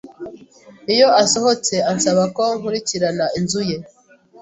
Iyo asohotse, ansaba ko nkurikirana inzu ye.